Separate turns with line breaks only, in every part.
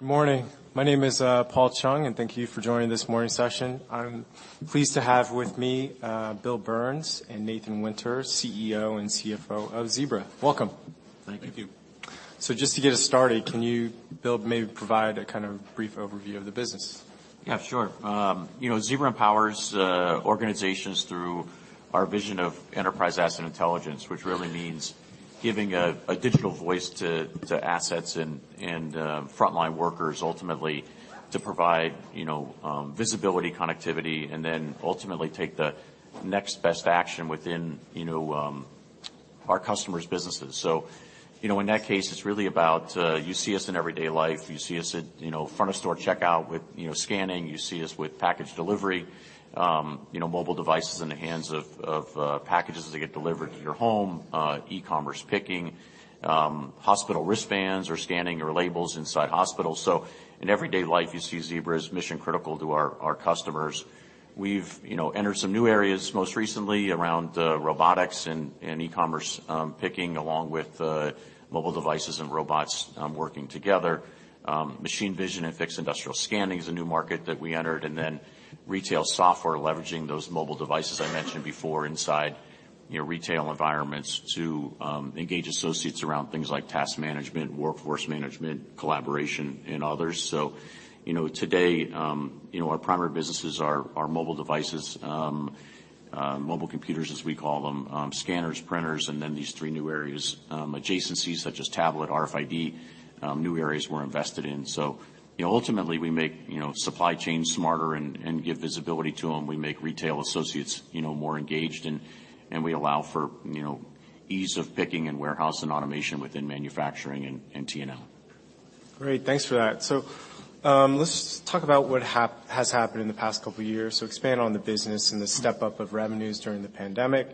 Good morning. My name is Paul Chung, and thank you for joining this morning's session. I'm pleased to have with me Bill Burns and Nathan Winters, CEO and CFO of Zebra. Welcome.
Thank you.
Thank you.
Just to get us started, can you, Bill, maybe provide a kind of brief overview of the business?
Yeah, sure. you know, Zebra empowers organizations through our vision of Enterprise Asset Intelligence, which really means giving a digital voice to assets and frontline workers ultimately to provide, you know, visibility, connectivity, and then ultimately take the next best action within, you know, our customers' businesses. In that case, it's really about, you see us in everyday life. You see us at, you know, front of store checkout with, you know, scanning. You see us with package delivery, you know, mobile devices in the hands of packages that get delivered to your home, e-commerce picking, hospital wristbands or scanning your labels inside hospitals. In everyday life, you see Zebra is mission critical to our customers. We've, you know, entered some new areas, most recently around robotics and e-commerce picking, along with mobile devices and robots working together. Machine vision and fixed industrial scanning is a new market that we entered, and then retail software leveraging those mobile devices I mentioned before inside, you know, retail environments to engage associates around things like task management, workforce management, collaboration and others. You know, today, you know, our primary businesses are mobile devices, mobile computers, as we call them, scanners, printers, and then these three new areas, adjacencies such as tablet, RFID, new areas we're invested in. You know, ultimately we make, you know, supply chains smarter and give visibility to them. We make retail associates, you know, more engaged and we allow for, you know, ease of picking and warehouse and automation within manufacturing and T&L.
Great. Thanks for that. Let's talk about what has happened in the past couple of years. Expand on the business and the step-up of revenues during the pandemic.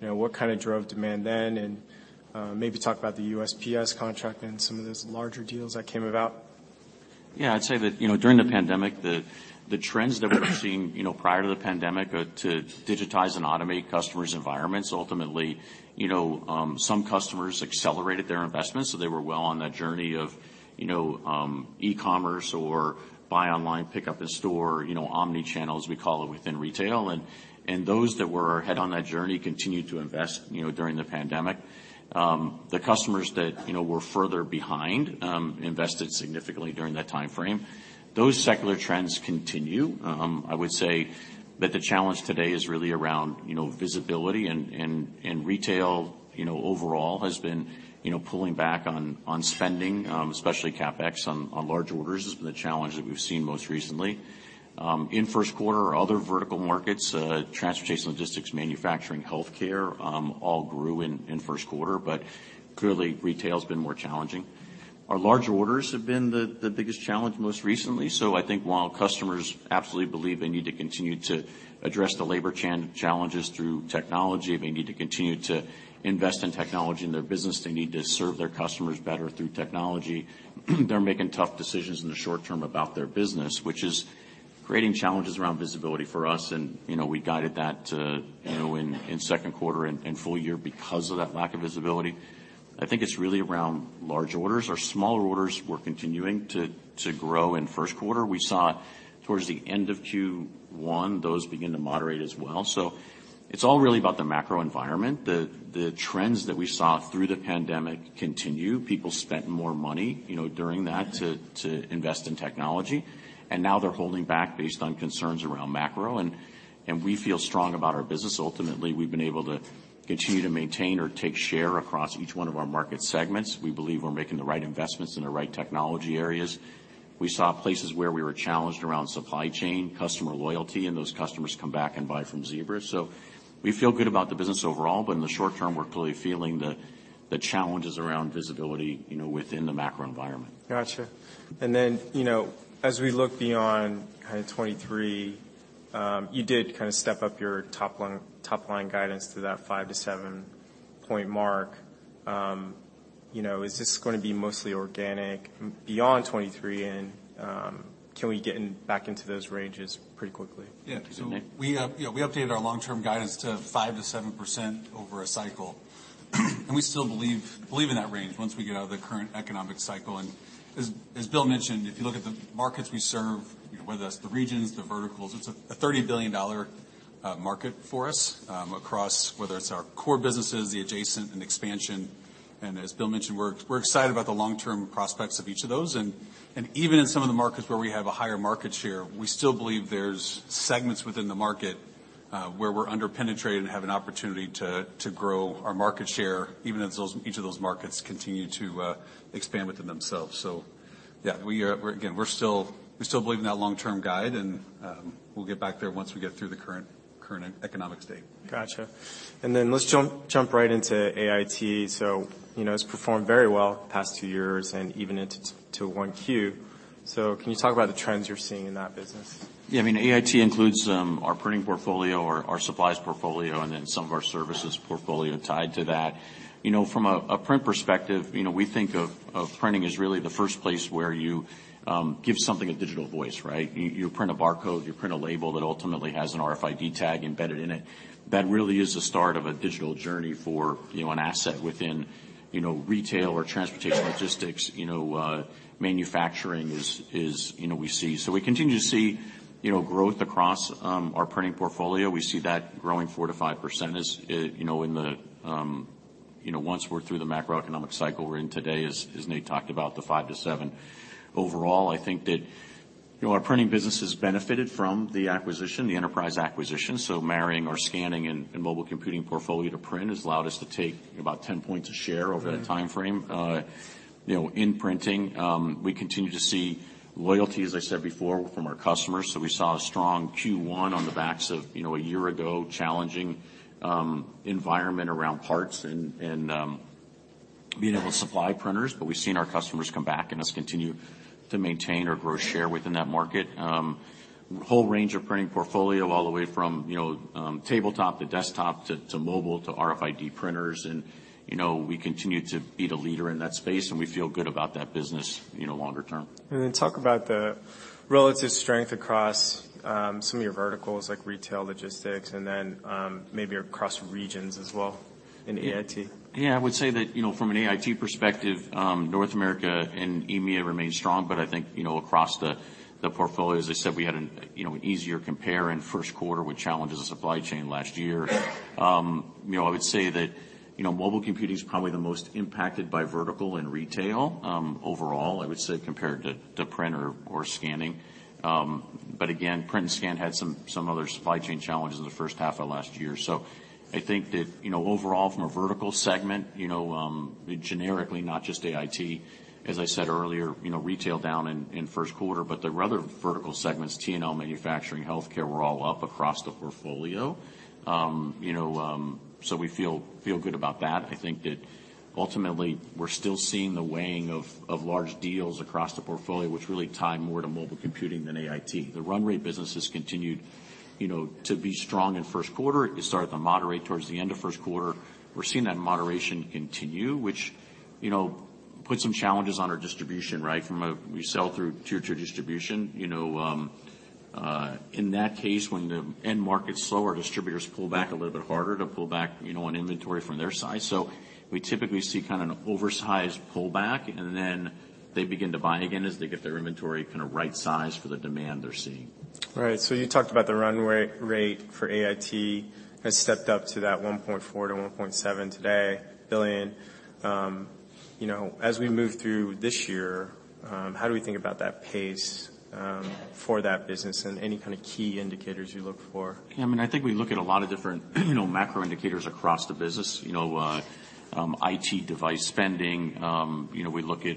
You know, what kind of drove demand then? Maybe talk about the USPS contract and some of those larger deals that came about.
Yeah. I'd say that, you know, during the pandemic, the trends that we were seeing, you know, prior to the pandemic, to digitize and automate customers' environments, ultimately, you know, some customers accelerated their investments, so they were well on that journey of, you know, e-commerce or buy online, pick up in store, you know, omnichannels, we call it, within retail. Those that were ahead on that journey continued to invest, you know, during the pandemic. The customers that, you know, were further behind, invested significantly during that timeframe. Those secular trends continue. I would say that the challenge today is really around, you know, visibility and retail, you know, overall has been, you know, pulling back on spending, especially CapEx on large orders has been the challenge that we've seen most recently. In first quarter, our other vertical markets, transportation, logistics, manufacturing, healthcare, all grew in first quarter. Clearly retail's been more challenging. Our larger orders have been the biggest challenge most recently. I think while customers absolutely believe they need to continue to address the labor challenges through technology, they need to continue to invest in technology in their business, they need to serve their customers better through technology, they're making tough decisions in the short term about their business, which is creating challenges around visibility for us. You know, we guided that, you know, in second quarter and full year because of that lack of visibility. I think it's really around large orders. Our smaller orders were continuing to grow in first quarter. We saw towards the end of Q1, those begin to moderate as well. It's all really about the macro environment. The trends that we saw through the pandemic continue. People spent more money, you know, during that to invest in technology, and now they're holding back based on concerns around macro. We feel strong about our business ultimately. We've been able to continue to maintain or take share across each one of our market segments. We believe we're making the right investments in the right technology areas. We saw places where we were challenged around supply chain, customer loyalty, and those customers come back and buy from Zebra. We feel good about the business overall, but in the short term, we're clearly feeling the challenges around visibility, you know, within the macro environment.
Gotcha. you know, as we look beyond kind of 2023, you did kind of step up your top line guidance to that 5%-7% mark. you know, is this going to be mostly organic beyond 2023, can we get back into those ranges pretty quickly?
Yeah. We, you know, we updated our long-term guidance to 5%-7% over a cycle, we still believe in that range once we get out of the current economic cycle. As Bill mentioned, if you look at the markets we serve, you know, whether that's the regions, the verticals, it's a $30 billion market for us across whether it's our core businesses, the adjacent and expansion. As Bill mentioned, we're excited about the long-term prospects of each of those. Even in some of the markets where we have a higher market share, we still believe there's segments within the market where we're under-penetrated and have an opportunity to grow our market share, even as each of those markets continue to expand within themselves. Again, we still believe in that long-term guide, and we'll get back there once we get through the current economic state.
Gotcha. Let's jump right into AIT. You know, it's performed very well the past two years and even into to 1Q. Can you talk about the trends you're seeing in that business?
I mean, AIT includes our printing portfolio, our supplies portfolio, and then some of our services portfolio tied to that. You know, from a print perspective, you know, we think of printing as really the first place where you give something a digital voice, right? You print a barcode, you print a label that ultimately has an RFID tag embedded in it. That really is the start of a digital journey for, you know, an asset within. You know, retail or transportation logistics, you know, manufacturing is, you know, we see. We continue to see, you know, growth across our printing portfolio. We see that growing 4%-5% is, you know, in the, you know, once we're through the macroeconomic cycle we're in today, as Nate talked about, the 5%-7%. Overall, I think that, you know, our printing business has benefited from the acquisition, the enterprise acquisition. Marrying our scanning and mobile computing portfolio to print has allowed us to take about 10 points of share over that time frame. You know, in printing, we continue to see loyalty, as I said before, from our customers. We saw a strong Q1 on the backs of, you know, a year ago, challenging environment around parts and being able to supply printers, but we've seen our customers come back and us continue to maintain or grow share within that market. Whole range of printing portfolio all the way from, you know, tabletop to desktop to mobile to RFID printers. You know, we continue to be the leader in that space, and we feel good about that business, you know, longer term.
Talk about the relative strength across some of your verticals like retail logistics and then maybe across regions as well in AIT.
I would say that, you know, from an AIT perspective, North America and EMEA remain strong. I think, you know, across the portfolio, as I said, we had, you know, easier compare in first quarter with challenges in supply chain last year. You know, I would say that, you know, mobile computing is probably the most impacted by vertical and retail, overall, I would say, compared to print or scanning. Again, print and scan had some other supply chain challenges in the first half of last year. I think that, you know, overall from a vertical segment, you know, generically not just AIT, as I said earlier, you know, retail down in first quarter. The rather vertical segments, T&L, manufacturing, healthcare were all up across the portfolio. You know, we feel good about that. I think that ultimately we're still seeing the weighing of large deals across the portfolio which really tie more to mobile computing than AIT. The run rate business has continued, you know, to be strong in first quarter. It started to moderate towards the end of first quarter. We're seeing that moderation continue, which, you know, put some challenges on our distribution, right? We sell through tier to distribution. You know, in that case, when the end market's slow, our distributors pull back a little bit harder to pull back, you know, on inventory from their side. We typically see kind of an oversized pullback, and then they begin to buy again as they get their inventory kind of right sized for the demand they're seeing.
You talked about the run rate for AIT has stepped up to that $1.4 billion-$1.7 billion today. You know, as we move through this year, how do we think about that pace for that business and any kind of key indicators you look for?
Yeah. I mean, I think we look at a lot of different, you know, macro indicators across the business. You know, IT device spending. You know, we look at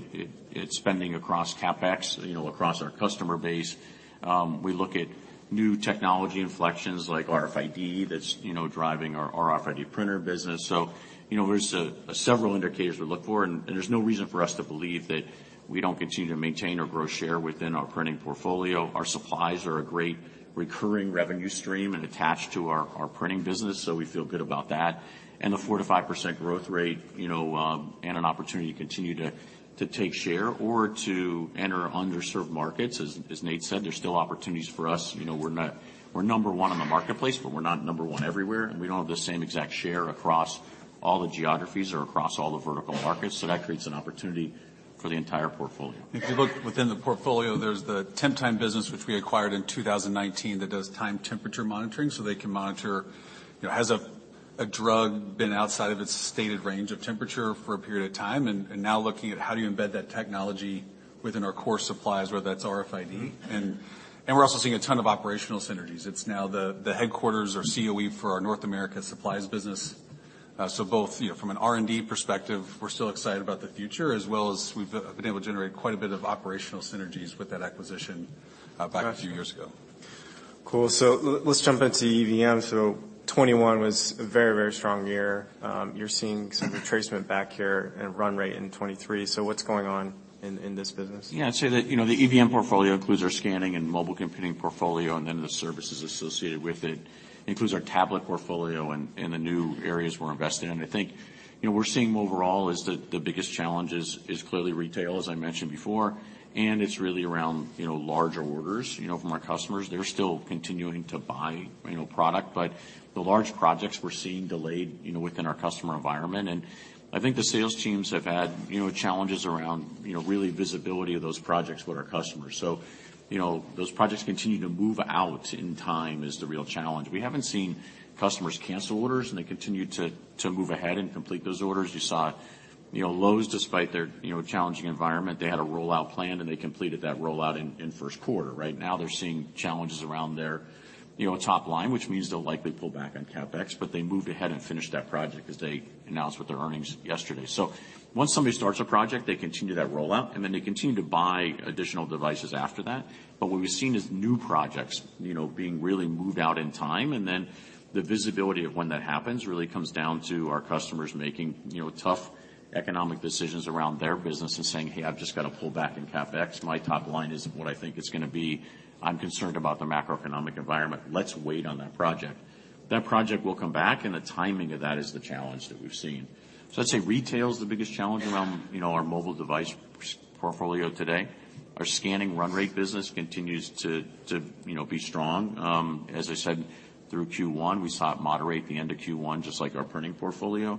spending across CapEx, you know, across our customer base. We look at new technology inflections like RFID that's, you know, driving our RFID printer business. You know, there's several indicators we look for, and there's no reason for us to believe that we don't continue to maintain or grow share within our printing portfolio. Our supplies are a great recurring revenue stream and attached to our printing business, so we feel good about that. The 4%-5% growth rate, you know, and an opportunity to continue to take share or to enter underserved markets. As Nate said, there's still opportunities for us. You know, we're number one in the marketplace, but we're not number one everywhere, and we don't have the same exact share across all the geographies or across all the vertical markets. That creates an opportunity for the entire portfolio.
If you look within the portfolio, there's the Temptime business which we acquired in 2019 that does time temperature monitoring, so they can monitor, you know, has a drug been outside of its stated range of temperature for a period of time? Now looking at how do you embed that technology within our core supplies, whether that's RFID. We're also seeing a ton of operational synergies. It's now the headquarters or COE for our North America supplies business. So both, you know, from an R&D perspective, we're still excited about the future, as well as we've been able to generate quite a bit of operational synergies with that acquisition, back a few years ago.
Cool. Let's jump into EVM. 2021 was a very, very strong year. You're seeing some retracement back here and run rate in 2023. What's going on in this business?
I'd say that, you know, the EVM portfolio includes our scanning and mobile computing portfolio and then the services associated with it. Includes our tablet portfolio and the new areas we're investing in. I think, you know, we're seeing overall is the biggest challenge is clearly retail, as I mentioned before, it's really around, you know, larger orders, you know, from our customers. They're still continuing to buy, you know, product, but the large projects we're seeing delayed, you know, within our customer environment. I think the sales teams have had, you know, challenges around, you know, really visibility of those projects with our customers. You know, those projects continue to move out in time is the real challenge. We haven't seen customers cancel orders, they continue to move ahead and complete those orders. You saw, you know, Lowe's, despite their, you know, challenging environment, they had a rollout plan, and they completed that rollout in first quarter. Right now they're seeing challenges around their, you know, top line, which means they'll likely pull back on CapEx, but they moved ahead and finished that project as they announced with their earnings yesterday. Once somebody starts a project, they continue that rollout, and then they continue to buy additional devices after that. What we've seen is new projects, you know, being really moved out in time, and then the visibility of when that happens really comes down to our customers making, you know, tough economic decisions around their business and saying, Hey, I've just got to pull back in CapEx. My top line isn't what I think it's gonna be. I'm concerned about the macroeconomic environment. Let's wait on that project. That project will come back, and the timing of that is the challenge that we've seen. I'd say retail is the biggest challenge around, you know, our mobile device portfolio today. Our scanning run rate business continues to, you know, be strong. As I said, through Q1, we saw it moderate at the end of Q1, just like our printing portfolio.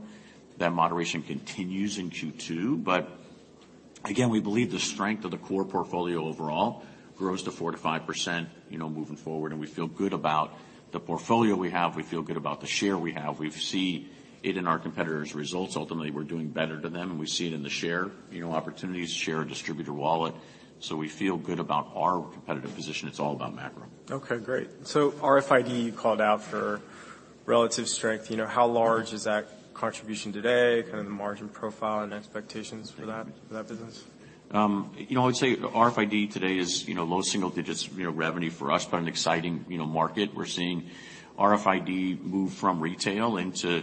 That moderation continues in Q2. Again, we believe the strength of the core portfolio overall grows to 4%-5%, you know, moving forward, and we feel good about the portfolio we have. We feel good about the share we have. We see it in our competitors' results. Ultimately, we're doing better to them, and we see it in the share, you know, opportunities, share of distributor wallet. We feel good about our competitive position. It's all about macro.
Okay, great. RFID, you called out for relative strength. You know, how large is that contribution today, kind of the margin profile and expectations for that business?
You know, I would say RFID today is, you know, low single digits, you know, revenue for us, but an exciting, you know, market. We're seeing RFID move from retail into,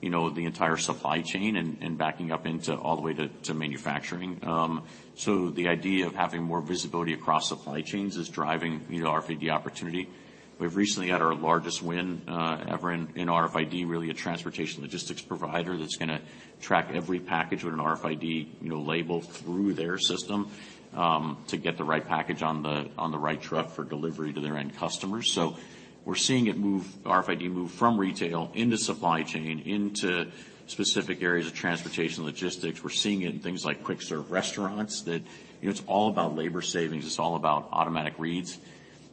you know, the entire supply chain and backing up into all the way to manufacturing. The idea of having more visibility across supply chains is driving, you know, RFID opportunity. We've recently had our largest win ever in RFID, really a transportation logistics provider that's gonna track every package with an RFID, you know, label through their system to get the right package on the right truck for delivery to their end customers. We're seeing RFID move from retail into supply chain, into specific areas of transportation logistics. We're seeing it in things like quick serve restaurants that, you know, it's all about labor savings. It's all about automatic reads.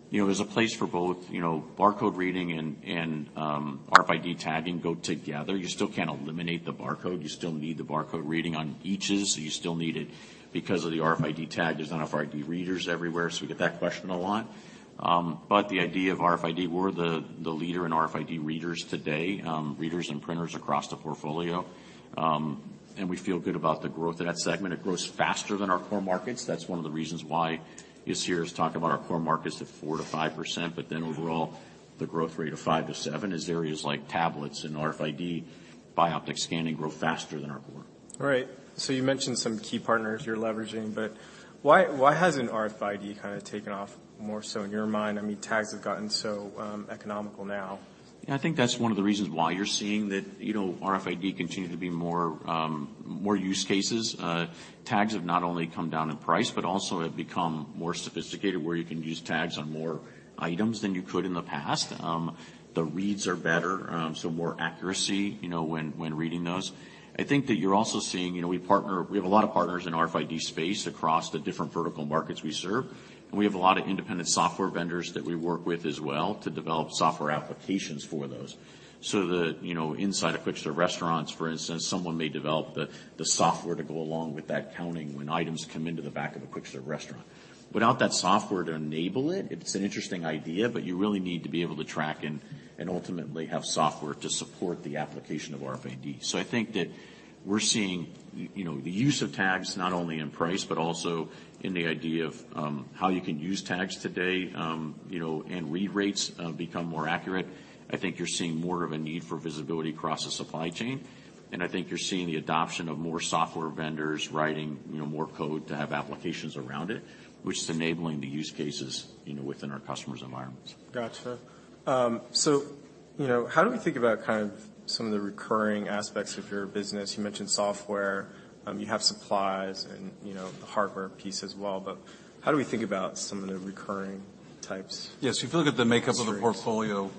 You know, there's a place for both, you know, barcode reading and RFID tagging go together. You still can't eliminate the barcode. You still need the barcode reading on eaches. You still need it because of the RFID tag. There's not RFID readers everywhere, so we get that question a lot. The idea of RFID, we're the leader in RFID readers today, readers and printers across the portfolio. We feel good about the growth of that segment. It grows faster than our core markets. That's one of the reasons why you see us talk about our core markets at 4%-5%, but then overall, the growth rate of 5%-7% is areas like tablets and RFID, bioptic scanning grow faster than our core.
Right. You mentioned some key partners you're leveraging, but why hasn't RFID kinda taken off more so in your mind? I mean, tags have gotten so economical now.
I think that's one of the reasons why you're seeing that, you know, RFID continue to be more use cases. Tags have not only come down in price but also have become more sophisticated, where you can use tags on more items than you could in the past. The reads are better, more accuracy, you know, when reading those. I think that you're also seeing, you know, We have a lot of partners in RFID space across the different vertical markets we serve, and we have a lot of independent software vendors that we work with as well to develop software applications for those. The, you know, inside of quick serve restaurants, for instance, someone may develop the software to go along with that counting when items come into the back of a quick serve restaurant. Without that software to enable it's an interesting idea, but you really need to be able to track and ultimately have software to support the application of RFID. I think that we're seeing, you know, the use of tags not only in price but also in the idea of how you can use tags today, you know, and read rates become more accurate. I think you're seeing more of a need for visibility across a supply chain, and I think you're seeing the adoption of more software vendors writing, you know, more code to have applications around it, which is enabling the use cases, you know, within our customers' environments.
Gotcha. You know, how do we think about kind of some of the recurring aspects of your business? You mentioned software. You have supplies and, you know, the hardware piece as well, but how do we think about some of the recurring.
Yes, if you look at the makeup of the portfolio,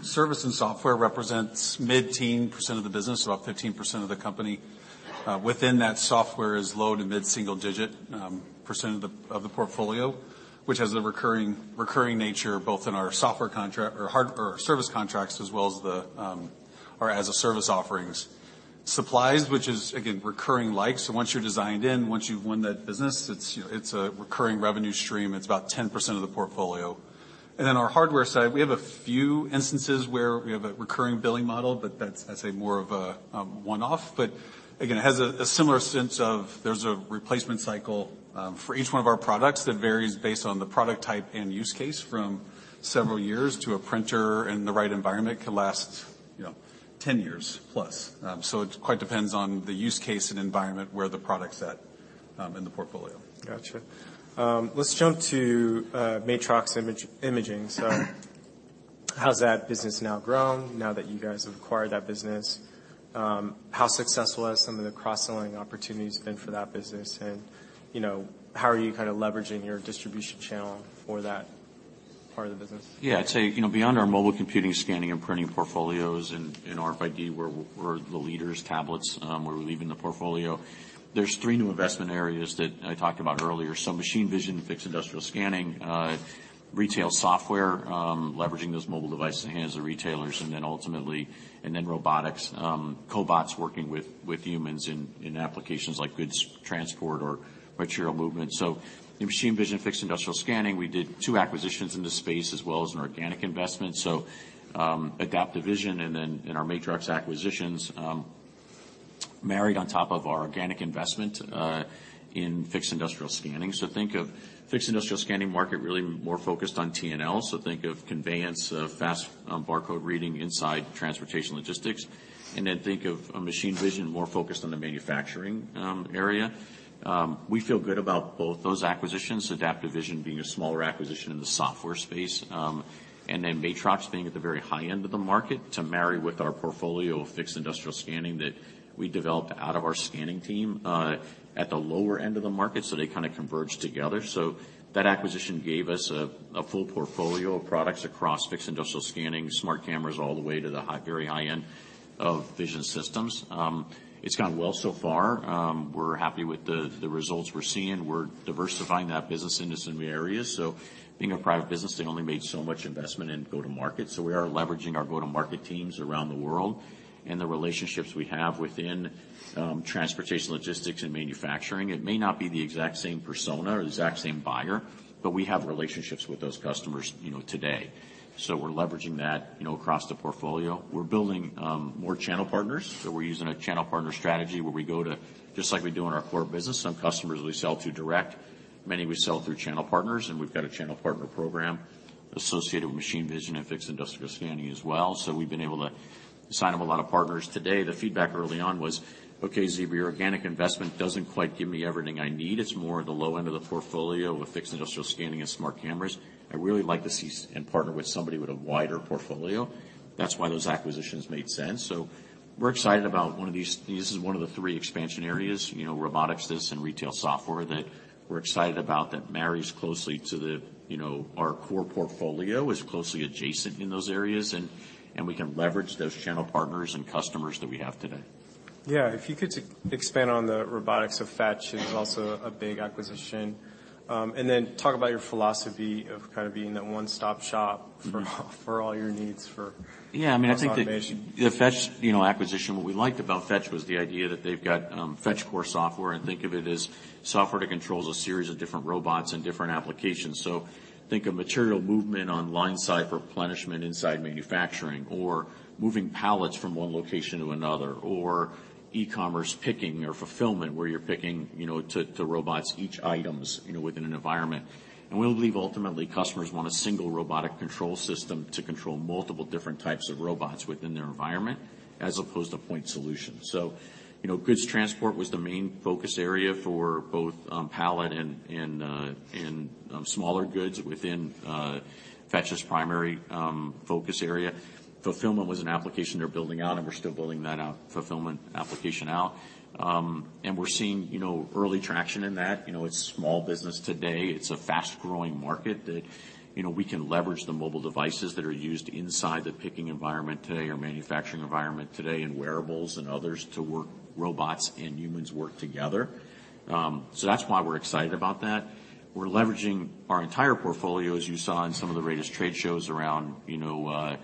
service and software represents mid-teen percent of the business, so about 15% of the company. Within that software is low to mid-single digit percent of the portfolio, which has a recurring nature, both in our software contract or service contracts as well as the as-a-service offerings. Supplies, which is again recurring like, so once you're designed in, once you've won that business, it's, you know, it's a recurring revenue stream. It's about 10% of the portfolio. Our hardware side, we have a few instances where we have a recurring billing model, but that's, I'd say more of a one-off. Again, it has a similar sense of there's a replacement cycle for each one of our products that varies based on the product type and use case from several years to a printer in the right environment could last, you know, 10+ years. It quite depends on the use case and environment where the product's at in the portfolio.
Gotcha. Let's jump to Matrox Imaging. How's that business now grown now that you guys have acquired that business? How successful has some of the cross-selling opportunities been for that business? You know, how are you kinda leveraging your distribution channel for that part of the business?
I'd say, you know, beyond our mobile computing, scanning, and printing portfolios and RFID, we're the leaders, tablets. Where we leave in the portfolio, there's three new investment areas that I talked about earlier: machine vision, fixed industrial scanning, retail software, leveraging those mobile devices in the hands of retailers, and then ultimately, robotics, cobots working with humans in applications like goods transport or material movement. In machine vision, fixed industrial scanning, we did two acquisitions in this space as well as an organic investment. Adaptive Vision and our Matrox acquisitions, Married on top of our organic investment in fixed industrial scanning. Think of fixed industrial scanning market really more focused on T&L. Think of conveyance, of fast barcode reading inside transportation logistics. Think of a machine vision more focused on the manufacturing area. We feel good about both those acquisitions, Adaptive Vision being a smaller acquisition in the software space, and then Matrox being at the very high end of the market to marry with our portfolio of fixed industrial scanning that we developed out of our scanning team, at the lower end of the market, so they kind of converge together. That acquisition gave us a full portfolio of products across fixed industrial scanning, smart cameras, all the way to the very high-end of vision systems. It's gone well so far. We're happy with the results we're seeing. We're diversifying that business into some new areas. Being a private business, they only made so much investment in go-to-market. We are leveraging our go-to-market teams around the world and the relationships we have within transportation, logistics, and manufacturing. It may not be the exact same persona or the exact same buyer, but we have relationships with those customers, you know, today. We're leveraging that, you know, across the portfolio. We're building more channel partners. We're using a channel partner strategy where we go to, just like we do in our core business, some customers we sell to direct, many we sell through channel partners, and we've got a channel partner program associated with machine vision and fixed industrial scanning as well. We've been able to sign up a lot of partners today. The feedback early on was, "Okay, Zebra, your organic investment doesn't quite give me everything I need. It's more at the low end of the portfolio with fixed industrial scanning and smart cameras. I really like to see and partner with somebody with a wider portfolio." That's why those acquisitions made sense. We're excited about one of these. This is one of the three expansion areas, you know, robotics, this, and retail software that we're excited about that marries closely to the, you know, our core portfolio, is closely adjacent in those areas and we can leverage those channel partners and customers that we have today.
Yeah. If you could expand on the robotics of Fetch is also a big acquisition. Talk about your philosophy of kind of being the one-stop shop for all your needs.
Yeah. I mean, I think. The Fetch, you know, acquisition, what we liked about Fetch was the idea that they've got FetchCore software, and think of it as software that controls a series of different robots and different applications. Think of material movement on line side replenishment inside manufacturing, or moving pallets from one location to another, or e-commerce picking or fulfillment, where you're picking, you know, to robots each items, you know, within an environment. We believe ultimately, customers want a single robotic control system to control multiple different types of robots within their environment, as opposed to point solutions. You know, goods transport was the main focus area for both pallet and smaller goods within Fetch's primary focus area. Fulfillment was an application they're building out, and we're still building that out, fulfillment application out. We're seeing, you know, early traction in that. You know, it's small business today. It's a fast-growing market that, you know, we can leverage the mobile devices that are used inside the picking environment today or manufacturing environment today, and wearables and others to work robots and humans work together. That's why we're excited about that. We're leveraging our entire portfolio, as you saw in some of the latest trade shows around, you know,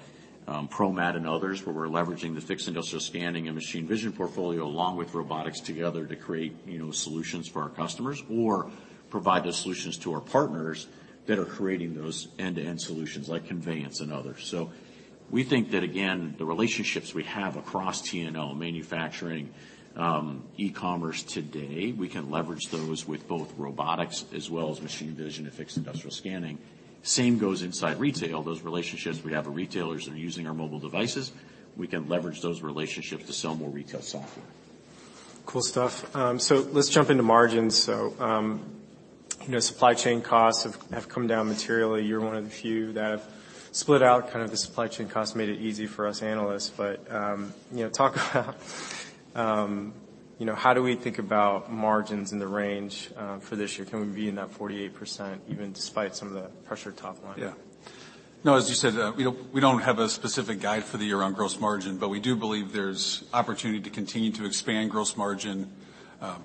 ProMat and others, where we're leveraging the fixed industrial scanning and machine vision portfolio along with robotics together to create, you know, solutions for our customers, or provide those solutions to our partners that are creating those end-to-end solutions like conveyance and others. We think that again, the relationships we have across T&L, manufacturing, e-commerce today, we can leverage those with both robotics as well as machine vision and fixed industrial scanning. Same goes inside retail. Those relationships we have with retailers that are using our mobile devices, we can leverage those relationships to sell more retail software.
Cool stuff. Let's jump into margins. You know, supply chain costs have come down materially. You're one of the few that have split out kind of the supply chain costs, made it easy for us analysts. You know, talk about, you know, how do we think about margins in the range for this year? Can we be in that 48% even despite some of the pressure top line?
No, as you said, we don't, we don't have a specific guide for the year on gross margin, but we do believe there's opportunity to continue to expand gross margin,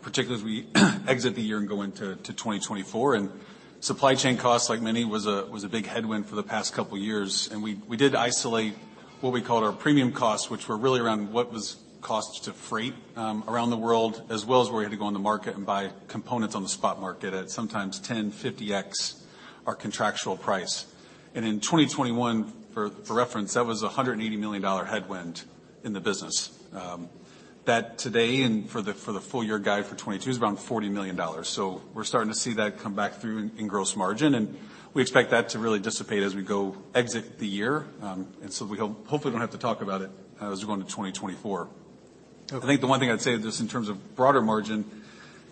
particularly as we exit the year and go into 2024. Supply chain costs, like many, was a big headwind for the past couple years, and we did isolate what we called our premium costs, which were really around what was costs to freight around the world, as well as we had to go on the market and buy components on the spot market at sometimes 10x-50x our contractual price. In 2021, for reference, that was a $180 million headwind in the business. That today and for the full year guide for 2022 is around $40 million. We're starting to see that come back through in gross margin, and we expect that to really dissipate as we go exit the year. Hopefully don't have to talk about it as we go into 2024.
Okay.
I think the one thing I'd say just in terms of broader margin,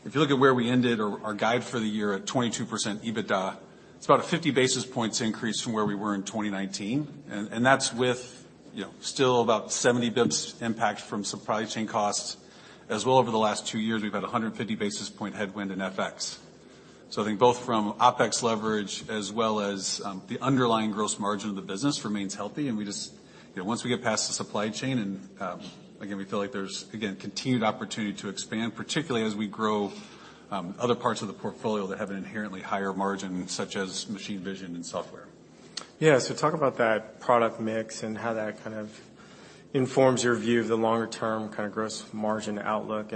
if you look at where we ended our guide for the year at 22% EBITDA, it's about a 50 basis points increase from where we were in 2019. That's with, you know, still about 70 bps impact from supply chain costs. As well, over the last two years, we've had a 150 basis point headwind in FX. I think both from OpEx leverage as well as the underlying gross margin of the business remains healthy. We just, you know, once we get past the supply chain and we feel like there's continued opportunity to expand, particularly as we grow other parts of the portfolio that have an inherently higher margin, such as machine vision and software.
Talk about that product mix and how that kind of informs your view of the longer term kind of gross margin outlook.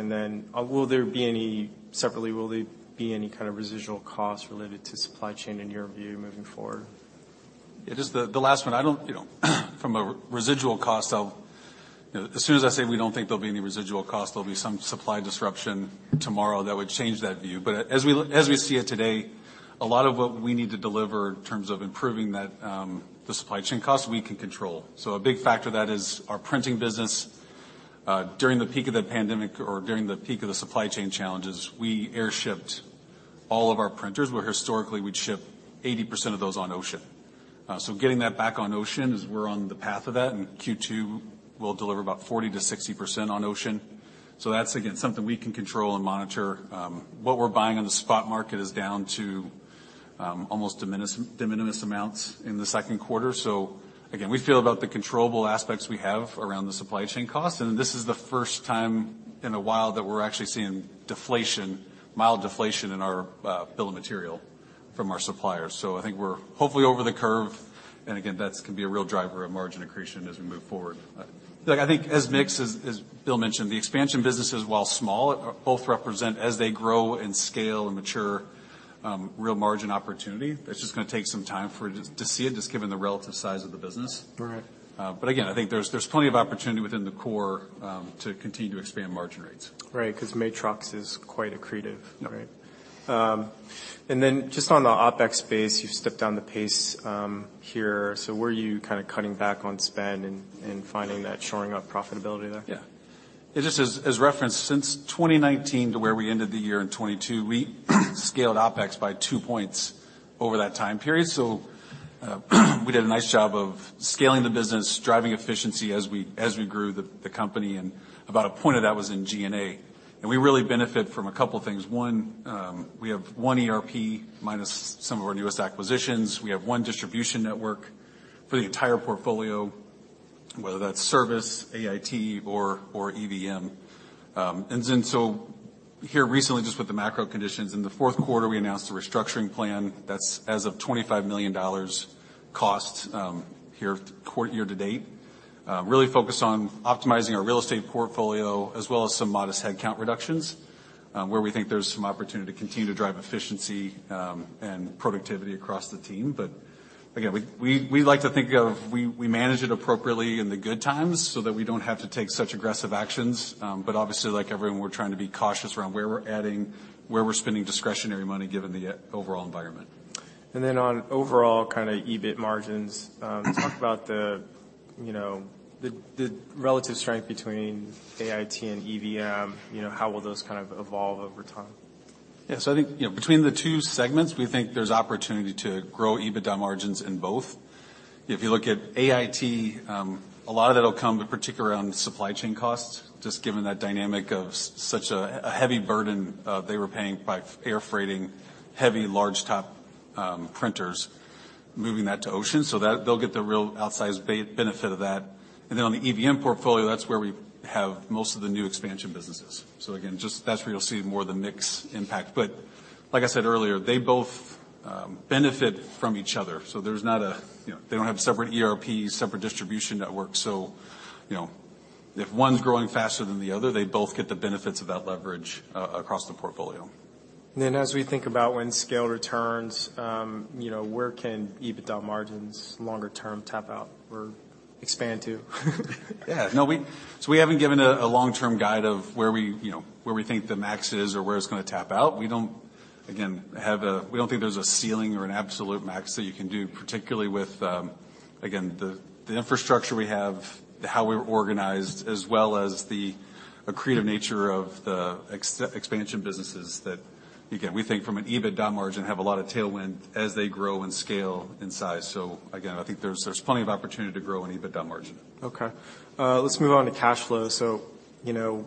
Separately, will there be any kind of residual costs related to supply chain in your view moving forward?
It is the last one. I don't, you know, from a residual cost. You know, as soon as I say we don't think there'll be any residual cost, there'll be some supply disruption tomorrow that would change that view. As we see it today, a lot of what we need to deliver in terms of improving that, the supply chain costs, we can control. A big factor that is our printing business. During the peak of the pandemic or during the peak of the supply chain challenges, we air shipped all of our printers, where historically we'd ship 80% of those on ocean. Getting that back on ocean is we're on the path of that, and Q2 will deliver about 40%-60% on ocean. That's again, something we can control and monitor. What we're buying on the spot market is down to almost diminimus amounts in the second quarter. Again, we feel about the controllable aspects we have around the supply chain costs, and this is the first time in a while that we're actually seeing deflation, mild deflation in our bill of material from our suppliers. I think we're hopefully over the curve, and again, that's can be a real driver of margin accretion as we move forward. Look, I think as mix as Bill mentioned, the expansion businesses, while small, both represent as they grow and scale and mature, real margin opportunity. It's just gonna take some time for it to see it, just given the relative size of the business.
Right.
Again, I think there's plenty of opportunity within the core, to continue to expand margin rates.
Right. 'Cause Matrox is quite accretive. Right. Just on the OpEx space, you've stepped down the pace, here. Were you kinda cutting back on spend and finding that shoring up profitability there?
It just as referenced since 2019 to where we ended the year in 2022, we scaled OpEx by two points over that time period. We did a nice job of scaling the business, driving efficiency as we grew the company, and about one point of that was in G&A. We really benefit from a couple things. One, we have one ERP minus some of our newest acquisitions. We have one distribution network for the entire portfolio, whether that's service, AIT or EVM. Here recently, just with the macro conditions, in the fourth quarter, we announced a restructuring plan that's as of $25 million cost here year to date. Really focused on optimizing our real estate portfolio, as well as some modest headcount reductions, where we think there's some opportunity to continue to drive efficiency, and productivity across the team. Again, we like to think of we manage it appropriately in the good times so that we don't have to take such aggressive actions. Obviously, like everyone, we're trying to be cautious around where we're adding, where we're spending discretionary money given the overall environment.
On overall kinda EBIT margins, talk about the, you know, the relative strength between AIT and EVM. You know, how will those kind of evolve over time?
Yeah. I think, you know, between the two segments, we think there's opportunity to grow EBITDA margins in both. If you look at AIT, a lot of that'll come in particular around supply chain costs, just given that dynamic of such a heavy burden, they were paying by air freighting heavy large top printers, moving that to ocean so that they'll get the real outsized benefit of that. And then on the EVM portfolio, that's where we have most of the new expansion businesses. Again, just that's where you'll see more of the mix impact. Like I said earlier, they both benefit from each other, so there's not a. You know, they don't have separate ERPs, separate distribution networks. You know, if one's growing faster than the other, they both get the benefits of that leverage across the portfolio.
As we think about when scale returns, you know, where can EBITDA margins longer term tap out or expand to?
We haven't given a long-term guide of where we, you know, where we think the max is or where it's gonna tap out. We don't, again, have. We don't think there's a ceiling or an absolute max that you can do, particularly with, again, the infrastructure we have, how we're organized, as well as the accretive nature of the expansion businesses that, again, we think from an EBITDA margin, have a lot of tailwind as they grow and scale in size. Again, I think there's plenty of opportunity to grow in EBITDA margin.
Okay. Let's move on to cash flow. You know,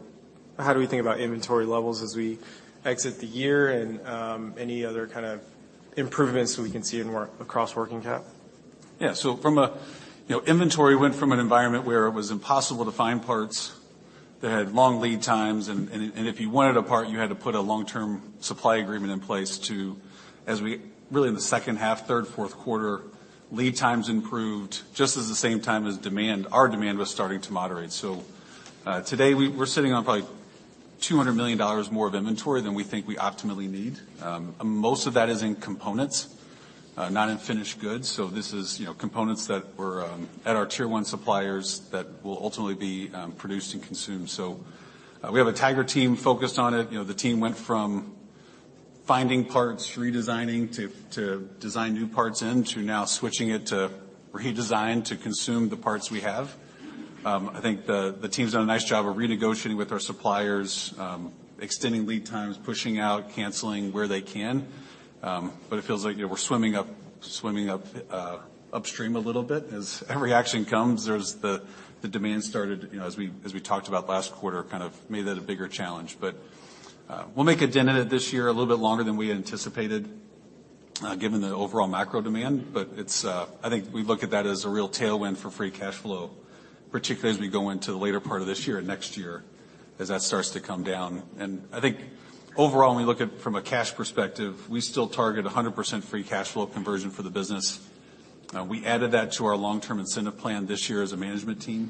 how do we think about inventory levels as we exit the year, and any other kind of improvements we can see across working cap?
Yeah. You know, inventory went from an environment where it was impossible to find parts that had long lead times, and if you wanted a part, you had to put a long-term supply agreement in place. Really in the second half, third, fourth quarter, lead times improved just as the same time as demand. Our demand was starting to moderate. Today we're sitting on probably $200 million more of inventory than we think we optimally need. Most of that is in components, not in finished goods. This is, you know, components that were at our Tier 1 suppliers that will ultimately be produced and consumed. We have a tiger team focused on it. You know, the team went from finding parts, redesigning to design new parts in, to now switching it to redesign to consume the parts we have. I think the team's done a nice job of renegotiating with our suppliers, extending lead times, pushing out, canceling where they can. It feels like, you know, we're swimming up upstream a little bit. As every action comes, The demand started, you know, as we talked about last quarter, kind of made that a bigger challenge. We'll make a dent in it this year, a little bit longer than we anticipated, given the overall macro demand. It's, I think we look at that as a real tailwind for free cash flow, particularly as we go into the later part of this year and next year, as that starts to come down. I think overall, when we look at from a cash perspective, we still target 100% free cash flow conversion for the business. We added that to our long-term incentive plan this year as a management team.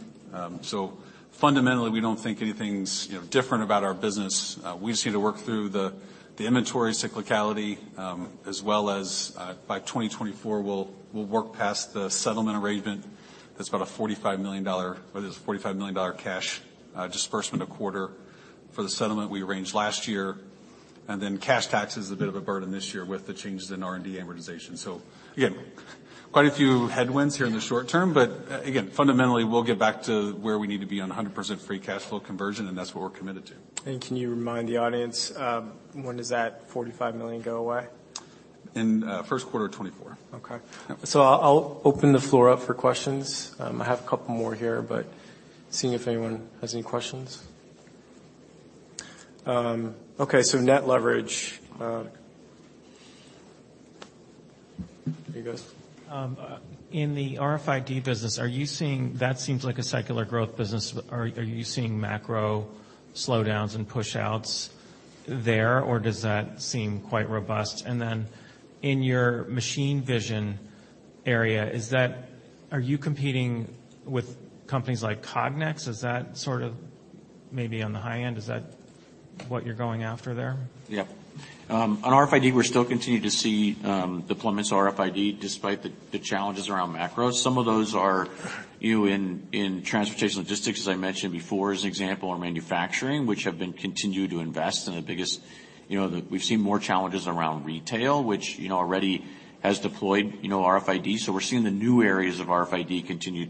Fundamentally, we don't think anything's, you know, different about our business. We just need to work through the inventory cyclicality, as well as, by 2024, we'll work past the settlement arrangement. That's about a $45 million. There's a $45 million cash disbursement a quarter for the settlement we arranged last year. Cash tax is a bit of a burden this year with the changes in R&D amortization. Again, quite a few headwinds here in the short term, but again, fundamentally, we'll get back to where we need to be on a 100% free cash flow conversion, and that's what we're committed to.
Can you remind the audience, when does that $45 million go away?
In first quarter of 2024.
Okay.
Yep.
I'll open the floor up for questions. I have a couple more here, seeing if anyone has any questions. Okay, net leverage. Here he goes.
In the RFID business. That seems like a secular growth business. Are you seeing macro slowdowns and push-outs there, or does that seem quite robust? In your machine vision area, are you competing with companies like Cognex? Is that sort of maybe on the high end? Is that what you're going after there?
On RFID, we're still continuing to see deployments RFID despite the challenges around macro. Some of those are, you know, in transportation logistics, as I mentioned before, as an example, or manufacturing, which have been continued to invest. The biggest, you know, We've seen more challenges around retail, which, you know, already has deployed, you know, RFID. We're seeing the new areas of RFID continue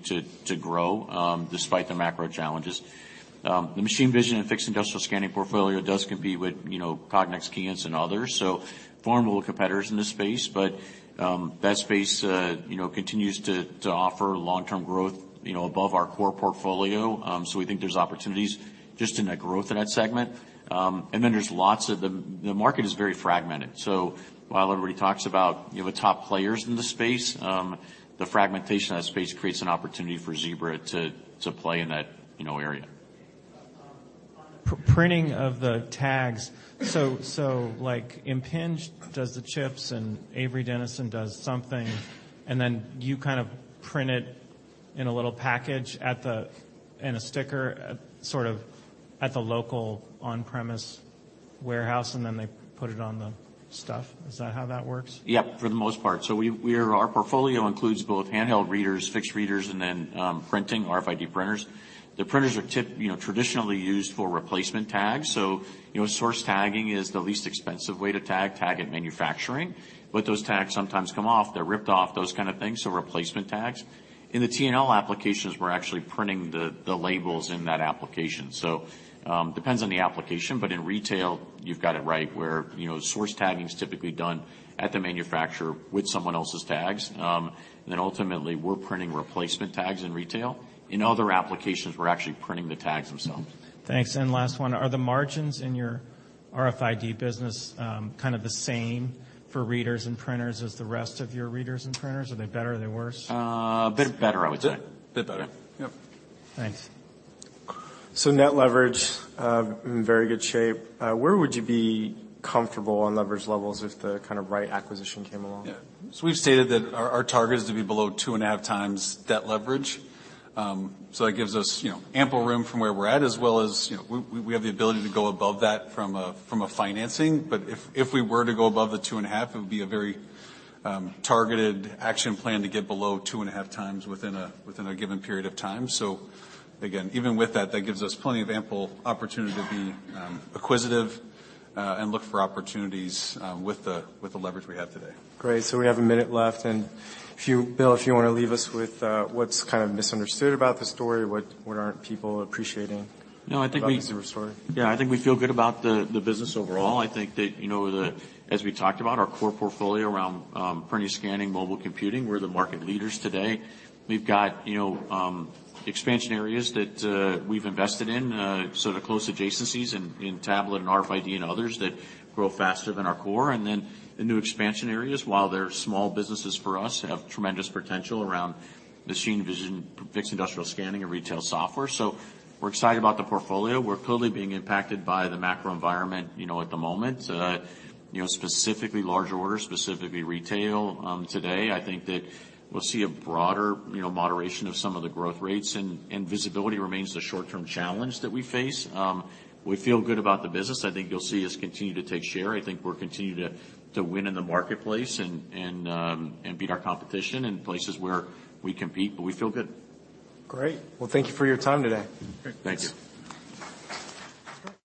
to grow despite the macro challenges. The machine vision and fixed industrial scanning portfolio does compete with, you know, Cognex, KEYENCE, and others, so formidable competitors in this space. That space, you know, continues to offer long-term growth, you know, above our core portfolio. We think there's opportunities just in that growth in that segment. There's lots of The market is very fragmented. While everybody talks about, you know, the top players in the space, the fragmentation of that space creates an opportunity for Zebra to play in that, you know, area.
On printing of the tags, like, Impinj does the chips, Avery Dennison does something, then you kind of print it in a little package in a sticker, sort of at the local on-premise warehouse, then they put it on the stuff. Is that how that works?
Yep, for the most part. We're Our portfolio includes both handheld readers, fixed readers, and then printing, RFID printers. The printers are, you know, traditionally used for replacement tags. You know, source tagging is the least expensive way to tag in manufacturing. Those tags sometimes come off. They're ripped off, those kind of things, so replacement tags. In the T&L applications, we're actually printing the labels in that application. Depends on the application. In retail, you've got it right where, you know, source tagging is typically done at the manufacturer with someone else's tags. Ultimately, we're printing replacement tags in retail. In other applications, we're actually printing the tags themselves.
Thanks. Last one, are the margins in your RFID business, kind of the same for readers and printers as the rest of your readers and printers? Are they better? Are they worse?
A bit better, I would say.
Bit better. Yep.
Thanks.
Net leverage, in very good shape. Where would you be comfortable on leverage levels if the kind of right acquisition came along?
We've stated that our target is to be below 2.5x debt leverage. That gives us, you know, ample room from where we're at, as well as, you know, we have the ability to go above that from a financing. If we were to go above the 2.5, it would be a very targeted action plan to get below 2.5x within a given period of time. Again, even with that gives us plenty of ample opportunity to be acquisitive, and look for opportunities, with the leverage we have today.
Great. We have a minute left. Bill, if you want to leave us with, what's kind of misunderstood about the story. What aren't people appreciating?
No, I think.
About the Zebra story?
I think we feel good about the business overall. I think that, you know, as we talked about, our core portfolio around printing, scanning, mobile computing, we're the market leaders today. We've got, you know, expansion areas that we've invested in, sort of close adjacencies in tablet and RFID and others that grow faster than our core. The new expansion areas, while they're small businesses for us, have tremendous potential around machine vision, fixed industrial scanning, and retail software. We're excited about the portfolio. We're clearly being impacted by the macro environment, you know, at the moment, you know, specifically large orders, specifically retail, today. I think that we'll see a broader, you know, moderation of some of the growth rates and visibility remains the short-term challenge that we face. We feel good about the business. I think you'll see us continue to take share. I think we'll continue to win in the marketplace and beat our competition in places where we compete. We feel good.
Great. Well, thank you for your time today.
Great.
Thanks.